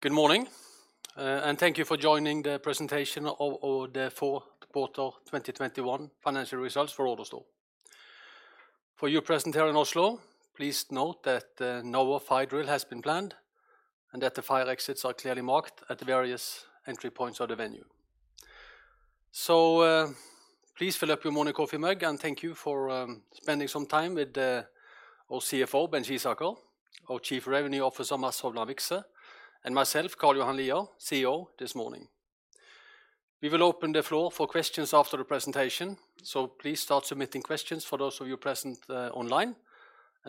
Good morning, and thank you for joining the presentation of our Fourth Quarter 2021 Financial Results for AutoStore. For those present here in Oslo, please note that no fire drill has been planned and that the fire exits are clearly marked at the various entry points of the venue. Please fill up your morning coffee mug, and thank you for spending some time with our CFO, Bent Skisaker, our Chief Revenue Officer, Mats Hovland Vikse, and myself, Karl Johan Lier, CEO, this morning. We will open the floor for questions after the presentation, so please start submitting questions for those of you present online.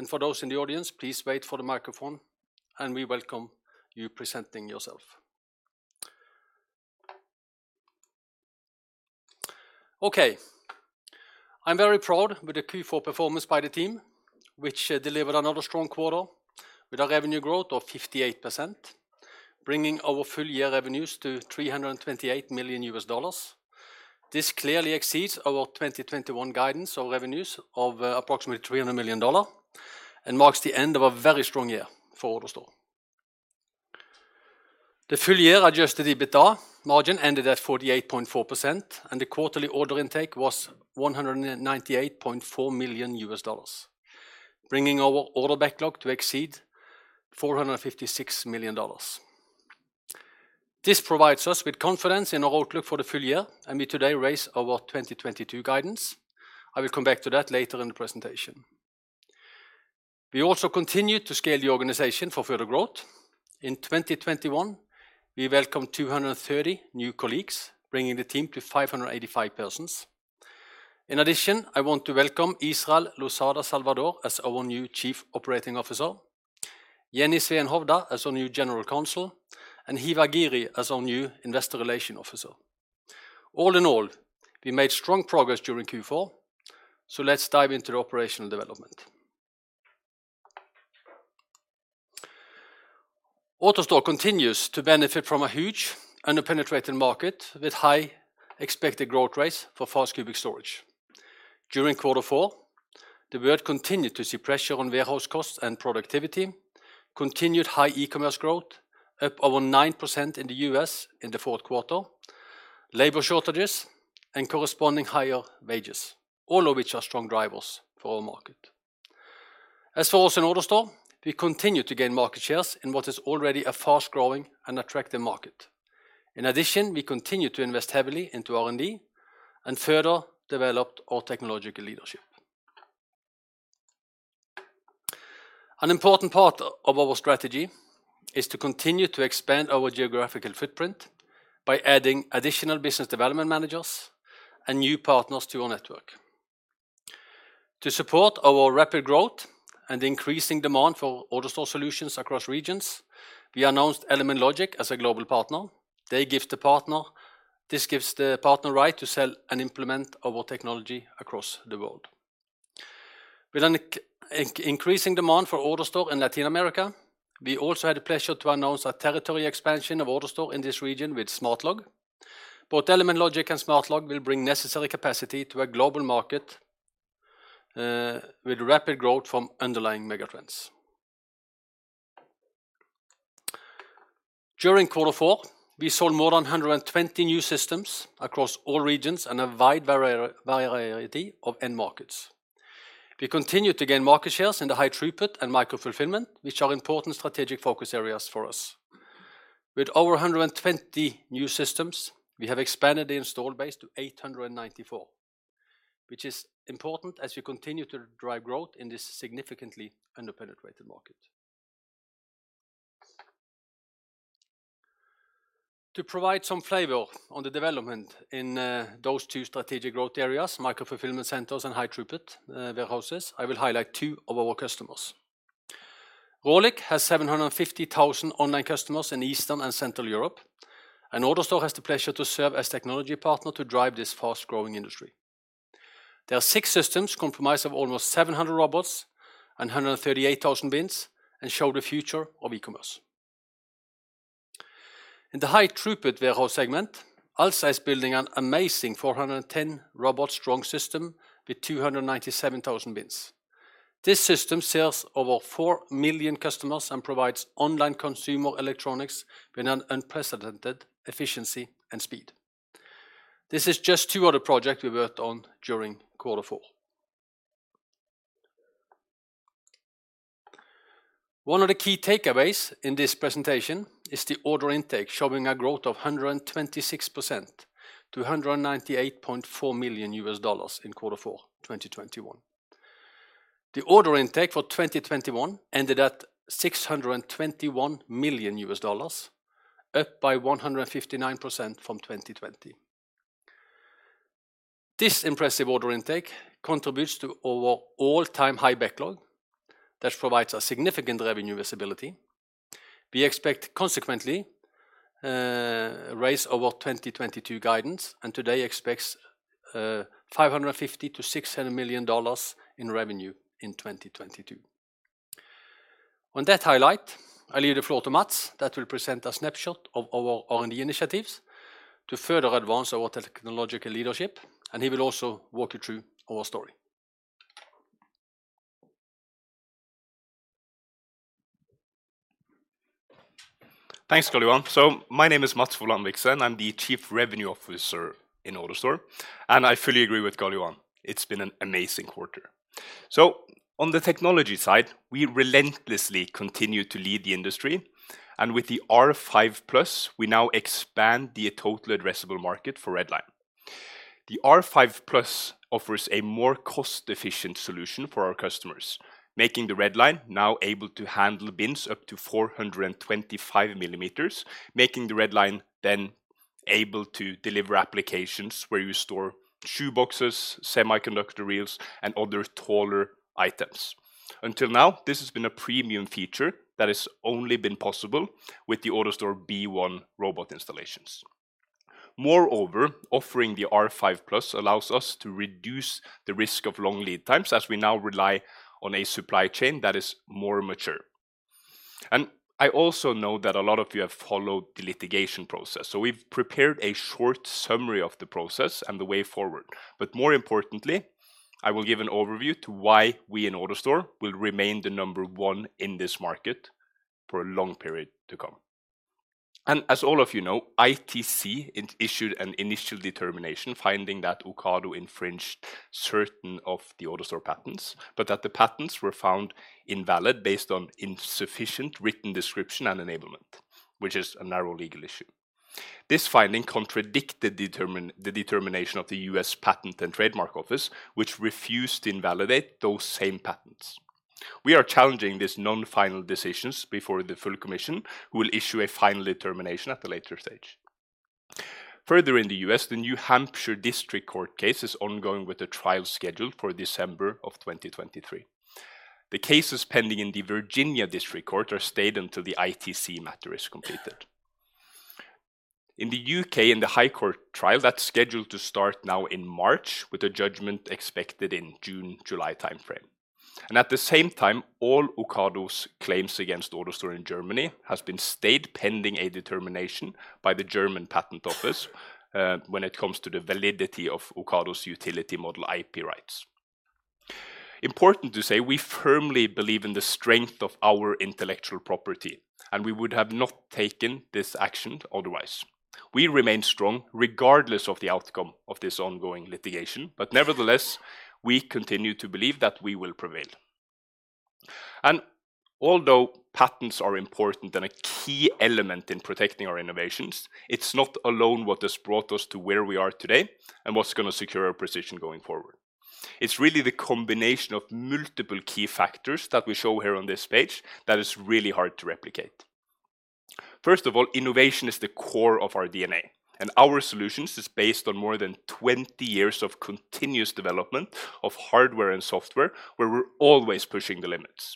For those in the audience, please wait for the microphone, and we welcome you presenting yourself. Okay. I'm very proud with the Q4 performance by the team, which delivered another strong quarter with our revenue growth of 58%, bringing our full year revenues to $328 million. This clearly exceeds our 2021 guidance of revenues of approximately $300 million and marks the end of a very strong year for AutoStore. The full year adjusted EBITDA margin ended at 48.4%, and the quarterly order intake was $198.4 million, bringing our order backlog to exceed $456 million. This provides us with confidence in our outlook for the full year, and we today raise our 2022 guidance. I will come back to that later in the presentation. We also continued to scale the organization for further growth. In 2021, we welcomed 230 new colleagues, bringing the team to 585 persons. In addition, I want to welcome Israel Losada Salvador as our new Chief Operating Officer, Jenny Sveen Hovda as our new General Counsel, and Hiva Flåskjer as our new Investor Relations Officer. All in all, we made strong progress during Q4, so let's dive into the operational development. AutoStore continues to benefit from a huge underpenetrated market with high expected growth rates for fast cubic storage. During quarter four, the world continued to see pressure on warehouse costs and productivity, continued high e-commerce growth, up over 9% in the U.S. in the fourth quarter, labor shortages, and corresponding higher wages, all of which are strong drivers for our market. As for us in AutoStore, we continue to gain market shares in what is already a fast-growing and attractive market. In addition, we continue to invest heavily into R&D and further developed our technological leadership. An important part of our strategy is to continue to expand our geographical footprint by adding additional business development managers and new partners to our network. To support our rapid growth and increasing demand for AutoStore solutions across regions, we announced Element Logic as a global partner. This gives the partner right to sell and implement our technology across the world. With an increasing demand for AutoStore in Latin America, we also had the pleasure to announce a territory expansion of AutoStore in this region with Smartlog. Both Element Logic and Smartlog will bring necessary capacity to a global market with rapid growth from underlying megatrends. During quarter four, we sold more than 120 new systems across all regions and a wide variety of end markets. We continued to gain market shares in the high throughput and micro fulfillment, which are important strategic focus areas for us. With over 120 new systems, we have expanded the install base to 894, which is important as we continue to drive growth in this significantly underpenetrated market. To provide some flavor on the development in those two strategic growth areas, micro fulfillment centers and high throughput warehouses, I will highlight two of our customers. Rohlik has 750,000 online customers in Eastern and Central Europe, and AutoStore has the pleasure to serve as technology partner to drive this fast-growing industry. There are six systems comprised of almost 700 robots and 138,000 bins and show the future of e-commerce. In the high throughput warehouse segment, Alza is building an amazing 410-robot-strong system with 297,000 bins. This system serves over four million customers and provides online consumer electronics with an unprecedented efficiency and speed. This is just two of the projects we worked on during quarter four. One of the key takeaways in this presentation is the order intake, showing a growth of 126% to $198.4 million in quarter four, 2021. The order intake for 2021 ended at $621 million, up by 159% from 2020. This impressive order intake contributes to our all-time high backlog that provides a significant revenue visibility. We expect, consequently, to raise our 2022 guidance and today expect $550 million-$600 million in revenue in 2022. On that highlight, I leave the floor to Mats that will present a snapshot of our R&D initiatives to further advance our technological leadership, and he will also walk you through our story. Thanks, Karl Johan. My name is Mats Hovland Vikse. I'm the Chief Revenue Officer in AutoStore, and I fully agree with Karl Johan. It's been an amazing quarter. On the technology side, we relentlessly continue to lead the industry, and with the R5+, we now expand the total addressable market for Red Line. The R5+ offers a more cost-efficient solution for our customers, making the Red Line now able to handle bins up to 425 mm, making the Red Line then able to deliver applications where you store shoe boxes, semiconductor reels, and other taller items. Until now, this has been a premium feature that has only been possible with the AutoStore B1 robot installations. Moreover, offering the R5+ allows us to reduce the risk of long lead times as we now rely on a supply chain that is more mature. I also know that a lot of you have followed the litigation process, so we've prepared a short summary of the process and the way forward. More importantly, I will give an overview to why we in AutoStore will remain the number one in this market for a long period to come. As all of you know, ITC issued an initial determination finding that Ocado infringed certain of the AutoStore patents, but that the patents were found invalid based on insufficient written description and enablement, which is a narrow legal issue. This finding contradicted the determination of the U.S. Patent and Trademark Office, which refused to invalidate those same patents. We are challenging these non-final decisions before the full commission, who will issue a final determination at a later stage. Further in the U.S., the New Hampshire District Court case is ongoing, with a trial scheduled for December 2023. The cases pending in the Virginia District Court are stayed until the ITC matter is completed. In the U.K., in the High Court trial, that's scheduled to start now in March, with a judgment expected in June, July timeframe. At the same time, all Ocado's claims against AutoStore in Germany has been stayed pending a determination by the German Patent Office, when it comes to the validity of Ocado's utility model IP rights. Important to say, we firmly believe in the strength of our intellectual property, and we would have not taken this action otherwise. We remain strong regardless of the outcome of this ongoing litigation. Nevertheless, we continue to believe that we will prevail. Although patents are important and a key element in protecting our innovations, it's not alone what has brought us to where we are today and what's gonna secure our position going forward. It's really the combination of multiple key factors that we show here on this page that is really hard to replicate. First of all, innovation is the core of our DNA, and our solutions is based on more than 20 years of continuous development of hardware and software, where we're always pushing the limits.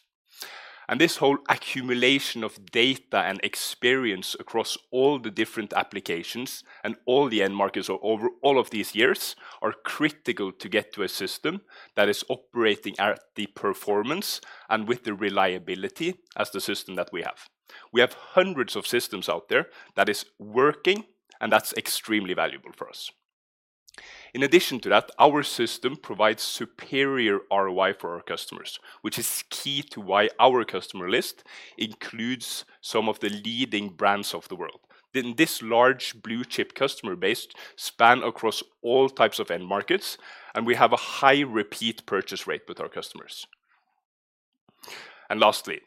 This whole accumulation of data and experience across all the different applications and all the end markets over all of these years are critical to get to a system that is operating at the performance and with the reliability as the system that we have. We have hundreds of systems out there that is working, and that's extremely valuable for us. In addition to that, our system provides superior ROI for our customers, which is key to why our customer list includes some of the leading brands of the world. This large blue-chip customer base span across all types of end markets, and we have a high repeat purchase rate with our customers. Lastly,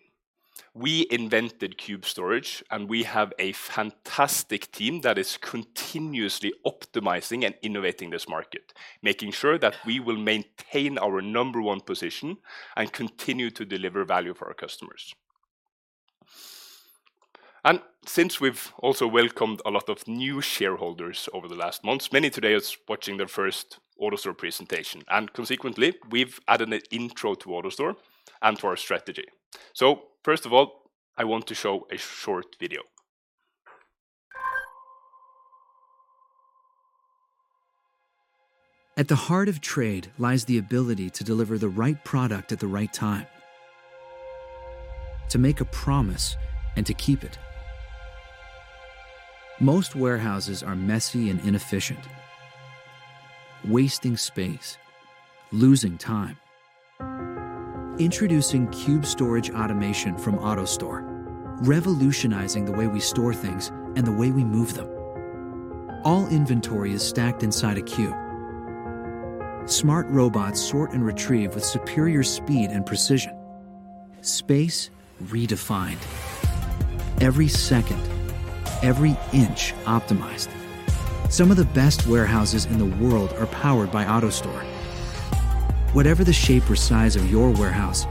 we invented cube storage, and we have a fantastic team that is continuously optimizing and innovating this market, making sure that we will maintain our number one position and continue to deliver value for our customers. Since we've also welcomed a lot of new shareholders over the last months, many today is watching their first AutoStore presentation. Consequently, we've added an intro to AutoStore and to our strategy. First of all, I want to show a short video. At the heart of trade lies the ability to deliver the right product at the right time, to make a promise and to keep it. Most warehouses are messy and inefficient, wasting space, losing time. Introducing Cube Storage Automation from AutoStore, revolutionizing the way we store things and the way we move them. All inventory is stacked inside a cube. Smart robots sort and retrieve with superior speed and precision. Space redefined. Every second, every inch optimized. Some of the best warehouses in the world are powered by AutoStore. Whatever the shape or size of your warehouse,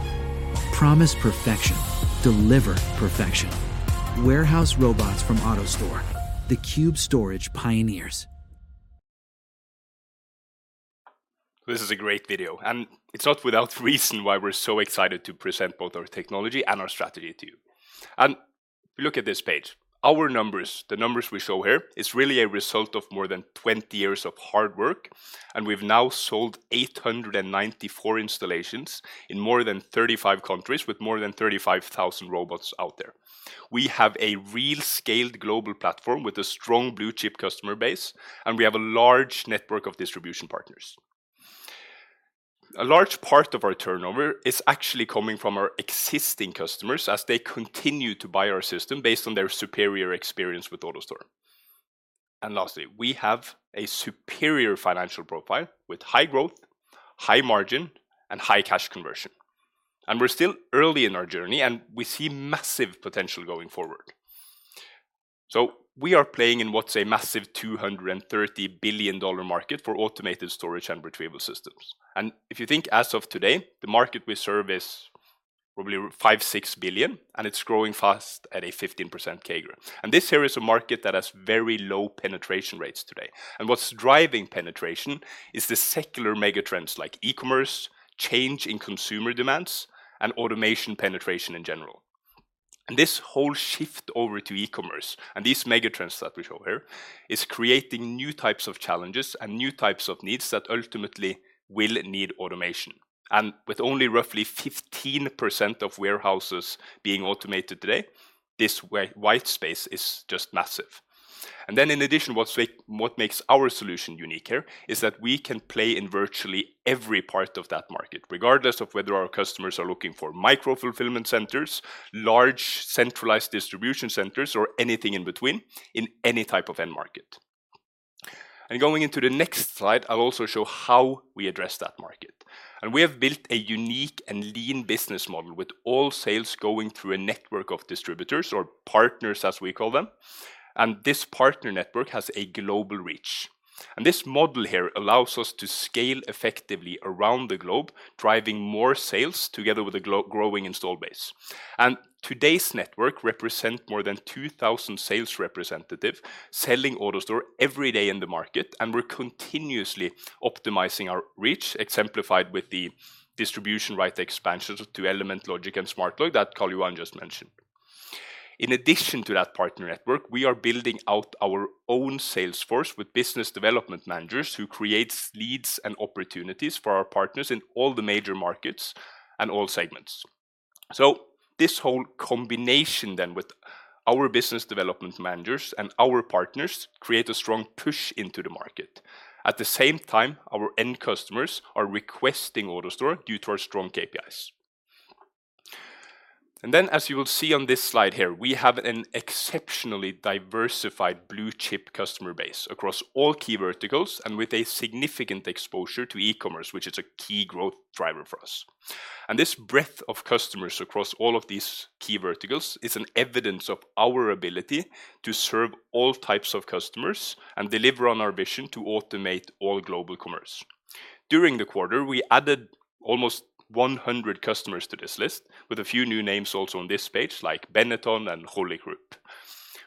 promise perfection. Deliver perfection. Warehouse robots from AutoStore, the cube storage pioneers. This is a great video, and it's not without reason why we're so excited to present both our technology and our strategy to you. Look at this page. Our numbers, the numbers we show here, is really a result of more than 20 years of hard work, and we've now sold 894 installations in more than 35 countries with more than 35,000 robots out there. We have a real scaled global platform with a strong blue-chip customer base, and we have a large network of distribution partners. A large part of our turnover is actually coming from our existing customers as they continue to buy our system based on their superior experience with AutoStore. Lastly, we have a superior financial profile with high growth, high margin, and high cash conversion. We're still early in our journey, and we see massive potential going forward. We are playing in what's a massive $230 billion market for automated storage and retrieval systems. If you think as of today, the market we serve is probably $5 billion-$6 billion, and it's growing fast at a 15% CAGR. This here is a market that has very low penetration rates today. What's driving penetration is the secular megatrends like e-commerce, change in consumer demands, and automation penetration in general. This whole shift over to e-commerce and these megatrends that we show here is creating new types of challenges and new types of needs that ultimately will need automation. With only roughly 15% of warehouses being automated today, this white space is just massive. Then in addition, what makes our solution unique here is that we can play in virtually every part of that market, regardless of whether our customers are looking for micro-fulfillment centers, large centralized distribution centers or anything in between in any type of end market. Going into the next slide, I'll also show how we address that market. We have built a unique and lean business model with all sales going through a network of distributors or partners, as we call them, and this partner network has a global reach. This model here allows us to scale effectively around the globe, driving more sales together with a growing install base. Today's network represents more than 2,000 sales representatives selling AutoStore every day in the market, and we're continuously optimizing our reach, exemplified with the distribution right expansions to Element Logic and Smartlog that Karl Johan just mentioned. In addition to that partner network, we are building out our own sales force with business development managers who creates leads and opportunities for our partners in all the major markets and all segments. This whole combination then with our business development managers and our partners create a strong push into the market. At the same time, our end customers are requesting AutoStore due to our strong KPIs. As you will see on this slide here, we have an exceptionally diversified blue-chip customer base across all key verticals and with a significant exposure to e-commerce, which is a key growth driver for us. This breadth of customers across all of these key verticals is an evidence of our ability to serve all types of customers and deliver on our vision to automate all global commerce. During the quarter, we added almost 100 customers to this list, with a few new names also on this page like Benetton and Rohlik Group.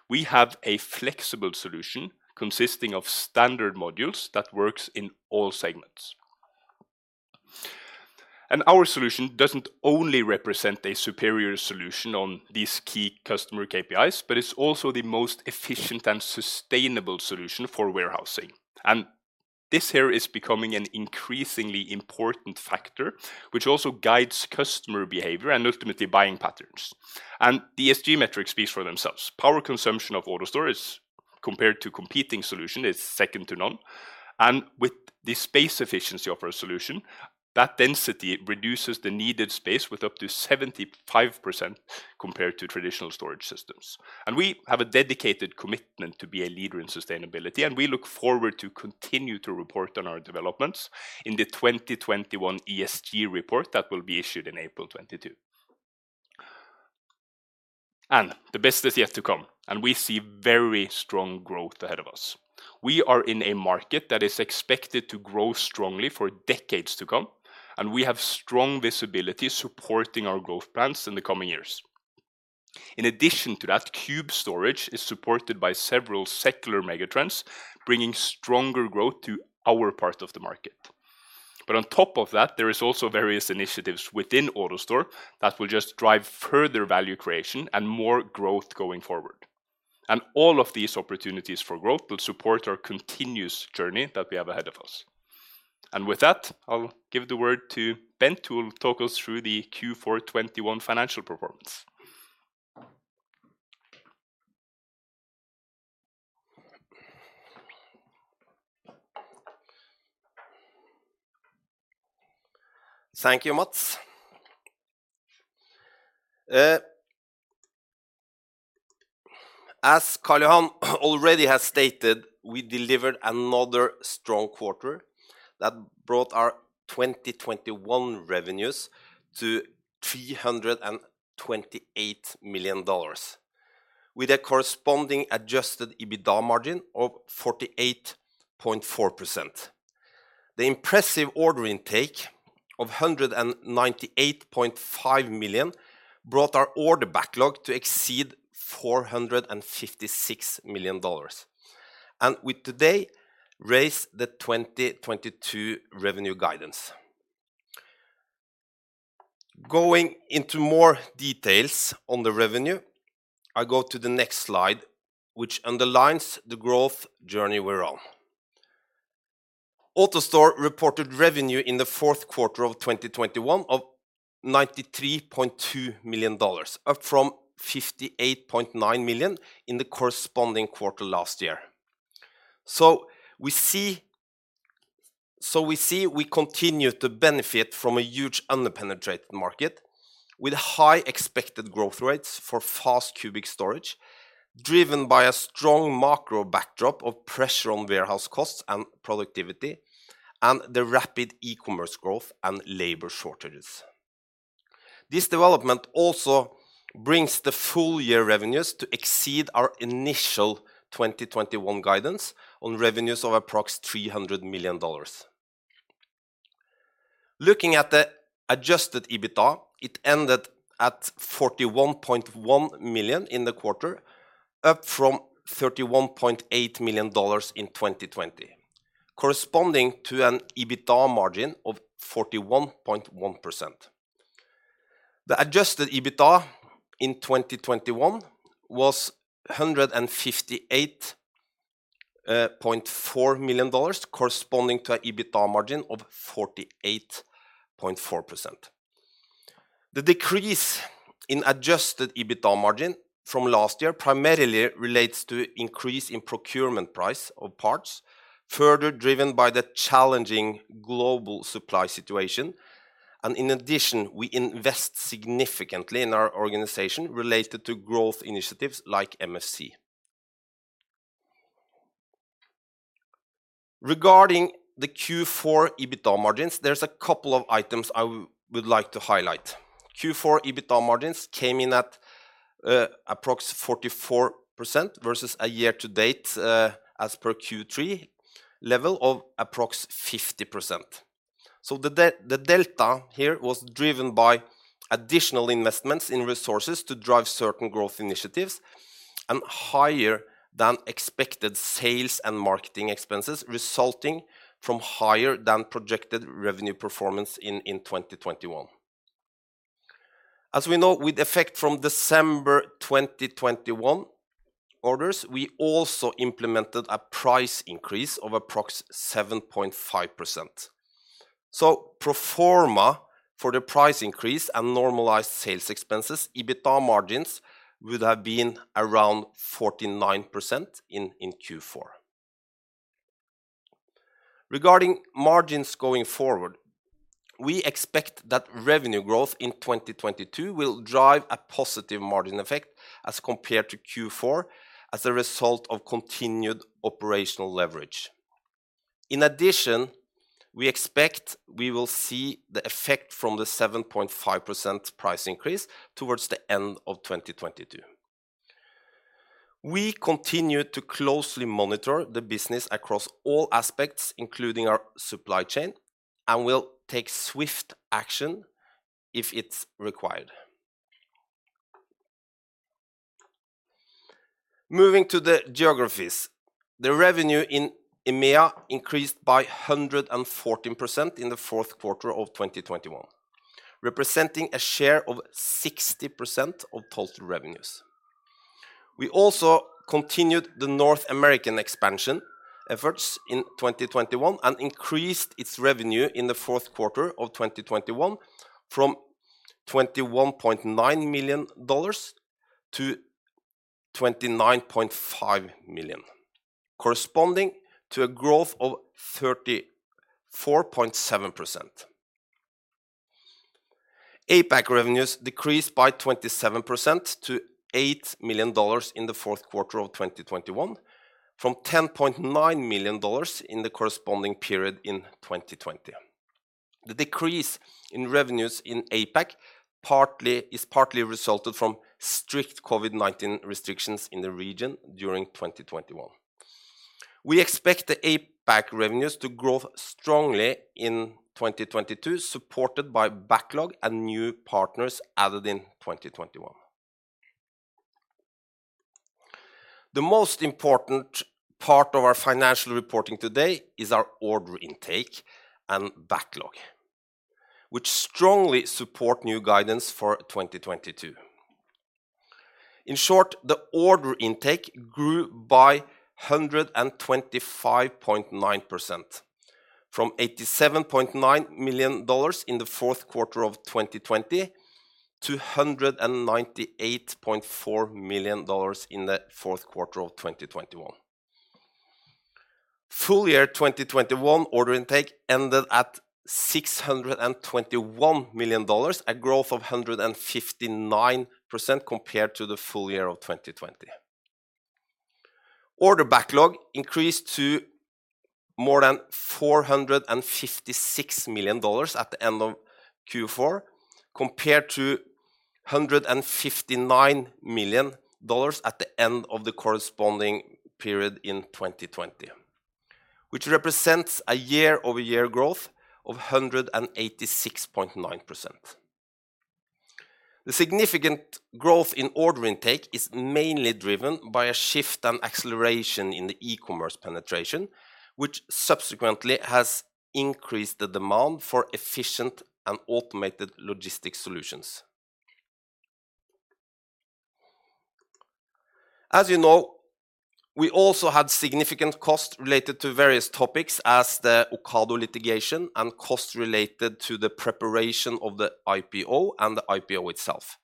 We have a flexible solution consisting of standard modules that works in all segments. Our solution doesn't only represent a superior solution on these key customer KPIs, but it's also the most efficient and sustainable solution for warehousing. This here is becoming an increasingly important factor which also guides customer behavior and ultimately buying patterns. The ESG metrics speaks for themselves. Power consumption of AutoStore, compared to competing solution, is second to none. With the space efficiency of our solution, that density reduces the needed space with up to 75% compared to traditional storage systems. We have a dedicated commitment to be a leader in sustainability, and we look forward to continue to report on our developments in the 2021 ESG report that will be issued in April 2022. The best is yet to come, and we see very strong growth ahead of us. We are in a market that is expected to grow strongly for decades to come, and we have strong visibility supporting our growth plans in the coming years. In addition to that, cube storage is supported by several secular megatrends, bringing stronger growth to our part of the market. On top of that, there is also various initiatives within AutoStore that will just drive further value creation and more growth going forward. All of these opportunities for growth will support our continuous journey that we have ahead of us. With that, I'll give the word to Bent, who will talk us through the Q4 2021 financial performance. Thank you, Mats. As Karl Johan already has stated, we delivered another strong quarter that brought our 2021 revenues to $328 million with a corresponding adjusted EBITDA margin of 48.4%. The impressive order intake of $198.5 million brought our order backlog to exceed $456 million and with today raised the 2022 revenue guidance. Going into more details on the revenue, I go to the next slide, which underlines the growth journey we're on. AutoStore reported revenue in the fourth quarter of 2021 of $93.2 million, up from $58.9 million in the corresponding quarter last year. We see we continue to benefit from a huge under-penetrated market with high expected growth rates for fast cubic storage, driven by a strong macro backdrop of pressure on warehouse costs and productivity and the rapid e-commerce growth and labor shortages. This development also brings the full year revenues to exceed our initial 2021 guidance on revenues of approx $300 million. Looking at the adjusted EBITDA, it ended at $41.1 million in the quarter, up from $31.8 million in 2020, corresponding to an EBITDA margin of 41.1%. The adjusted EBITDA in 2021 was $158.4 million, corresponding to EBITDA margin of 48.4%. The decrease in adjusted EBITDA margin from last year primarily relates to increase in procurement price of parts, further driven by the challenging global supply situation. In addition, we invest significantly in our organization related to growth initiatives like MFC. Regarding the Q4 EBITDA margins, there's a couple of items I would like to highlight. Q4 EBITDA margins came in at approx 44% versus a year-to-date as per Q3 level of approx 50%. The delta here was driven by additional investments in resources to drive certain growth initiatives and higher than expected sales and marketing expenses resulting from higher than projected revenue performance in 2021. As we know, with effect from December 2021 orders, we also implemented a price increase of approximately 7.5%. Pro forma for the price increase and normalized sales expenses, EBITDA margins would have been around 49% in Q4. Regarding margins going forward, we expect that revenue growth in 2022 will drive a positive margin effect as compared to Q4 as a result of continued operational leverage. In addition, we expect we will see the effect from the 7.5% price increase towards the end of 2022. We continue to closely monitor the business across all aspects, including our supply chain, and will take swift action if it's required. Moving to the geographies. The revenue in EMEA increased by 114% in the fourth quarter of 2021, representing a share of 60% of total revenues. We also continued the North American expansion efforts in 2021 and increased its revenue in the fourth quarter of 2021 from $21.9 million to $29.5 million, corresponding to a growth of 34.7%. APAC revenues decreased by 27% to $8 million in the fourth quarter of 2021 from $10.9 million in the corresponding period in 2020. The decrease in revenues in APAC partly resulted from strict COVID-19 restrictions in the region during 2021. We expect the APAC revenues to grow strongly in 2022, supported by backlog and new partners added in 2021. The most important part of our financial reporting today is our order intake and backlog, which strongly support new guidance for 2022. In short, the order intake grew by 125.9% from $87.9 million in the fourth quarter of 2020 to $198.4 million in the fourth quarter of 2021. Full year 2021 order intake ended at $621 million, a growth of 159% compared to the full year of 2020. Order backlog increased to more than $456 million at the end of Q4, compared to $159 million at the end of the corresponding period in 2020, which represents a year-over-year growth of 186.9%. The significant growth in order intake is mainly driven by a shift and acceleration in the e-commerce penetration, which subsequently has increased the demand for efficient and automated logistics solutions. As you know, we also had significant costs related to various topics as the Ocado litigation and costs related to the preparation of the IPO and the IPO itself.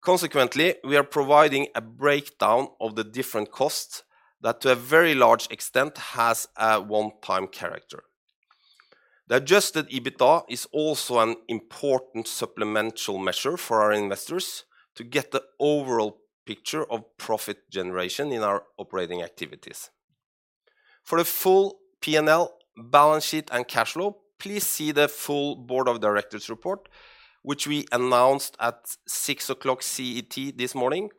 Consequently, we are providing a breakdown of the different costs that to a very large extent has a one-time character. The adjusted EBITDA is also an important supplemental measure for our investors to get the overall picture of profit generation in our operating activities. For the full P&L balance sheet and cash flow, please see the full Board of Directors report, which we announced at 6:00 CET this morning,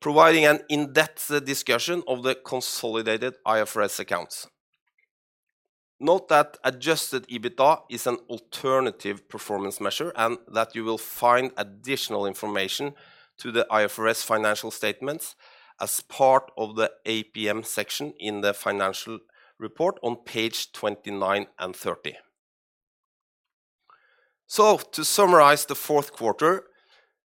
providing an in-depth discussion of the consolidated IFRS accounts. Note that adjusted EBITDA is an alternative performance measure, and that you will find additional information to the IFRS financial statements as part of the APM section in the financial report on page 29 and 30. To summarize the fourth quarter,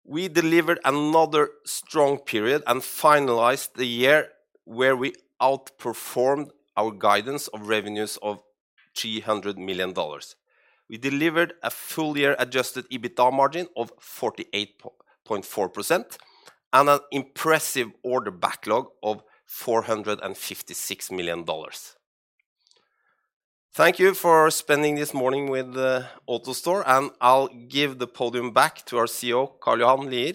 we delivered another strong period and finalized the year where we outperformed our guidance of revenues of $300 million. We delivered a full year adjusted EBITDA margin of 48.4% and an impressive order backlog of $456 million. Thank you for spending this morning with AutoStore, and I'll give the podium back to our CEO, Karl Johan Lier,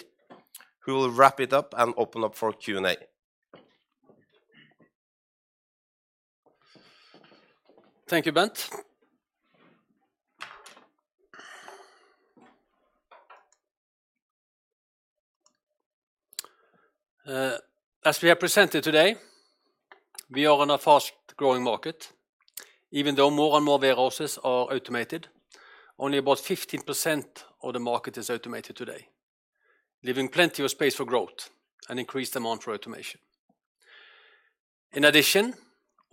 who will wrap it up and open up for Q&A. Thank you, Bent. As we have presented today, we are in a fast-growing market. Even though more and more warehouses are automated, only about 15% of the market is automated today, leaving plenty of space for growth and increased demand for automation. In addition,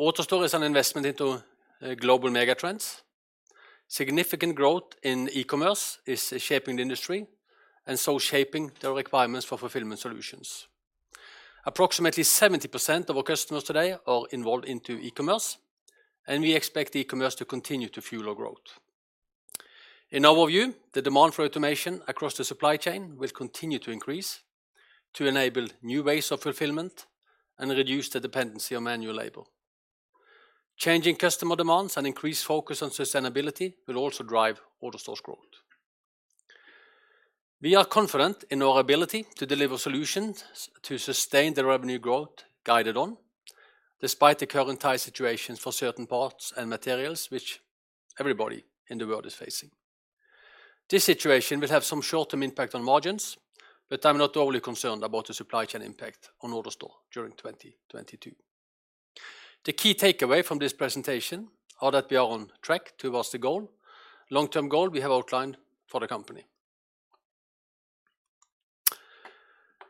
AutoStore is an investment into global mega trends. Significant growth in e-commerce is shaping the industry and so shaping the requirements for fulfillment solutions. Approximately 70% of our customers today are involved into e-commerce, and we expect e-commerce to continue to fuel our growth. In our view, the demand for automation across the supply chain will continue to increase to enable new ways of fulfillment and reduce the dependency on manual labor. Changing customer demands and increased focus on sustainability will also drive AutoStore's growth. We are confident in our ability to deliver solutions to sustain the revenue growth guided on despite the current tight situations for certain parts and materials which everybody in the world is facing. This situation will have some short-term impact on margins, but I'm not overly concerned about the supply chain impact on AutoStore during 2022. The key takeaway from this presentation are that we are on track towards the goal, long-term goal we have outlined for the company.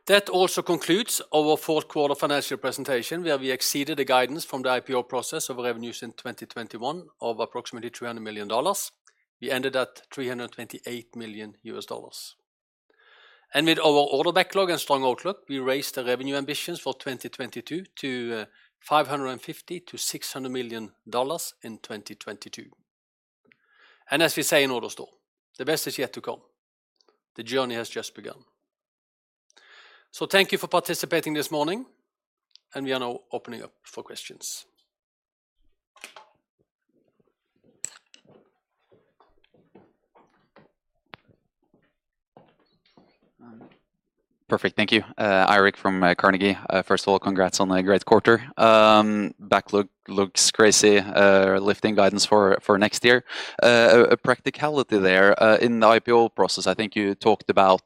That also concludes our fourth quarter financial presentation, where we exceeded the guidance from the IPO process of revenues in 2021 of approximately $300 million. We ended at $328 million. With our order backlog and strong outlook, we raised the revenue ambitions for 2022 to $550 million-$600 million in 2022. As we say in AutoStore, the best is yet to come. The journey has just begun. Thank you for participating this morning, and we are now opening up for questions. Perfect. Thank you. Eirik from Carnegie. First of all, congrats on a great quarter. Backlog looks crazy. Lifting guidance for next year. A practicality there in the IPO process, I think you talked about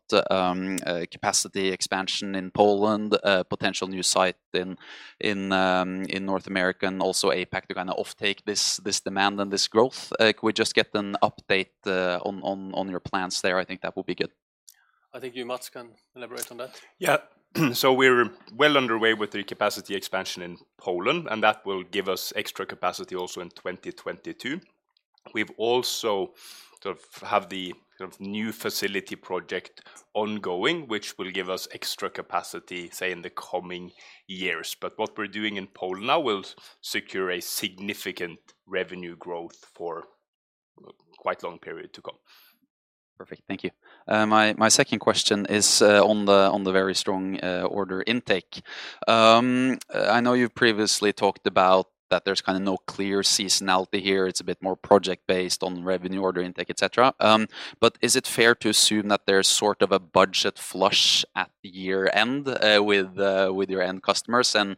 capacity expansion in Poland, a potential new site in North America and also APAC to kind of offtake this demand and this growth. Could we just get an update on your plans there? I think that will be good. I think you, Mats, can elaborate on that. Yeah. We're well underway with the capacity expansion in Poland, and that will give us extra capacity also in 2022. We've also sort of have the new facility project ongoing, which will give us extra capacity, say, in the coming years. What we're doing in Poland now will secure a significant revenue growth for quite a long period to come. Perfect. Thank you. My second question is on the very strong order intake. I know you've previously talked about that there's kind of no clear seasonality here. It's a bit more project based on revenue order intake, et cetera. Is it fair to assume that there's sort of a budget flush at year-end, with your end customers and,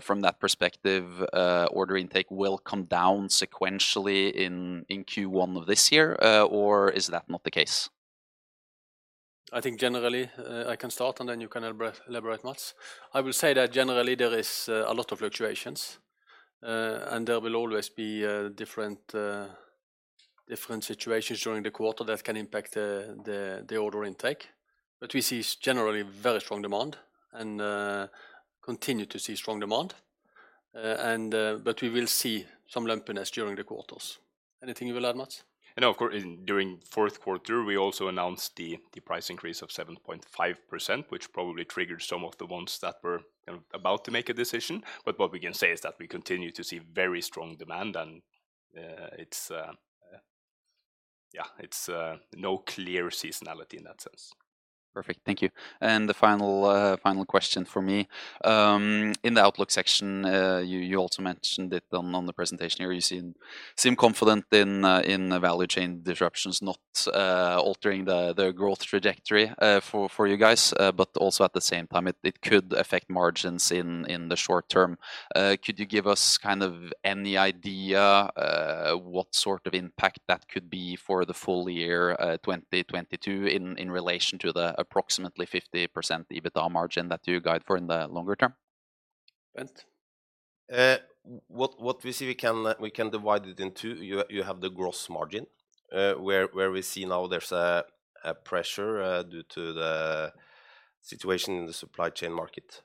from that perspective, order intake will come down sequentially in Q1 of this year? Is that not the case? I think generally, I can start and then you can elaborate, Mats. I will say that generally there is a lot of fluctuations, and there will always be different situations during the quarter that can impact the order intake. We see generally very strong demand and continue to see strong demand. We will see some lumpiness during the quarters. Anything you will add, Mats? You know, of course, during fourth quarter, we also announced the price increase of 7.5%, which probably triggered some of the ones that were about to make a decision. What we can say is that we continue to see very strong demand. Yeah, it's no clear seasonality in that sense. Perfect. Thank you. The final question for me. In the outlook section, you also mentioned it on the presentation where you seem confident in the value chain disruptions not altering the growth trajectory for you guys. Also at the same time it could affect margins in the short term. Could you give us kind of any idea what sort of impact that could be for the full year 2022 in relation to the approximately 50% EBITDA margin that you guide for in the longer term? Bent. What we see, we can divide it in two. You have the gross margin, where we see now there's a pressure due to the situation in the supply chain market.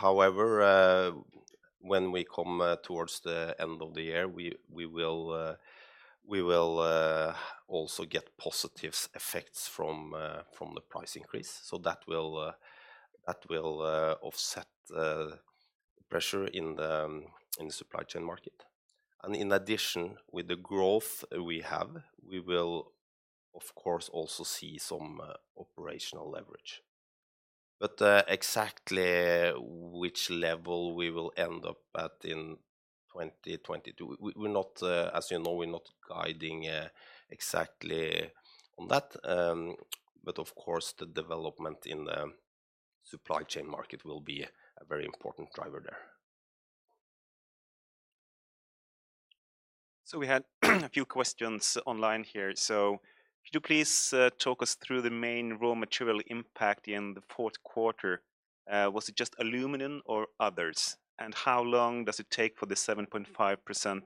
However, when we come towards the end of the year, we will also get positive effects from the price increase. That will offset pressure in the supply chain market. In addition, with the growth we have, we will of course also see some operational leverage. Exactly which level we will end up at in 2022, we're not, as you know, guiding exactly on that. Of course the development in the supply chain market will be a very important driver there. We had a few questions online here. Could you please talk us through the main raw material impact in the fourth quarter? Was it just aluminum or others? How long does it take for the 7.5%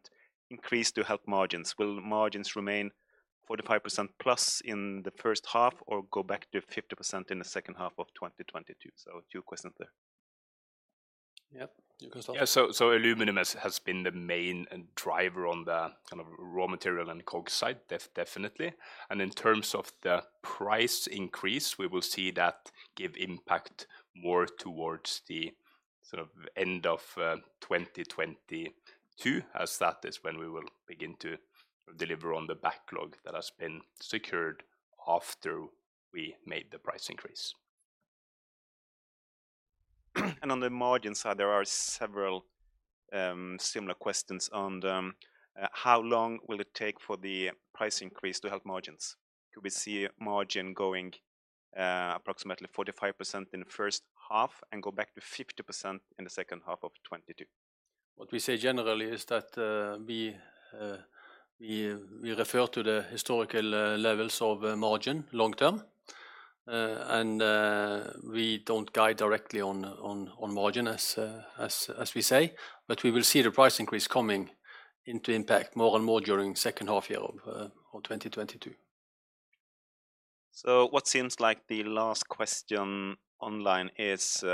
increase to help margins? Will margins remain 45%+ in the first half or go back to 50% in the second half of 2022? Two questions there. Yep. You can start. Yeah. Aluminum has been the main driver on the kind of raw material and coke side, definitely. In terms of the price increase, we will see that give impact more towards the sort of end of 2022, as that is when we will begin to deliver on the backlog that has been secured after we made the price increase. On the margin side, there are several similar questions on how long will it take for the price increase to help margins? Could we see margin going approximately 45% in the first half and go back to 50% in the second half of 2022? What we say generally is that we refer to the historical levels of margin long term. We don't guide directly on margin as we say. We will see the price increase coming into impact more and more during second half year of 2022. What seems like the last question online is,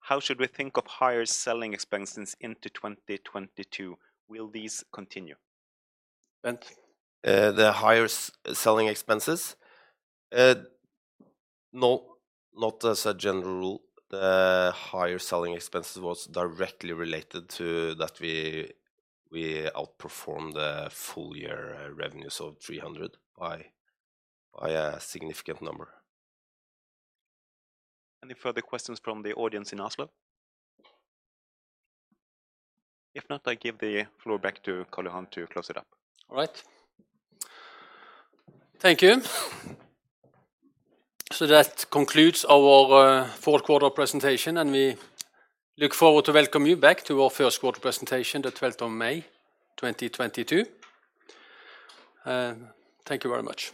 how should we think of higher selling expenses into 2022? Will these continue? Bent. The higher selling expenses? No, not as a general rule. The higher selling expenses was directly related to that we outperformed the full year revenues of $300 by a significant number. Any further questions from the audience in Oslo? If not, I give the floor back to Karl Johan to close it up. All right. Thank you. That concludes our fourth quarter presentation, and we look forward to welcome you back to our first quarter presentation, the 12th of May, 2022. Thank you very much.